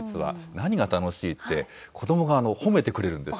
何が楽しいって、子どもが褒めてくれるんです。